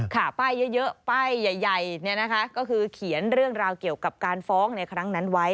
ค่ะป้ายเยอะป้ายใหญ่ก็คือเขียนเรื่องราวเกี่ยวกับการฟ้องในครั้งนั้นไว้